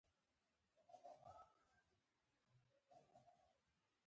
د ماشومانو ښه روزنه د هغوی ښه راتلونکې جوړوي.